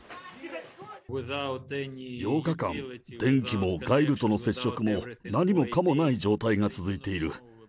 ８日間、電気も外部との接触も何もかもない状態が続いている。